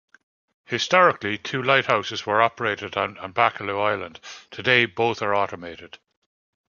Historically, two lighthouses were operated on Baccalieu Island; today both are automated.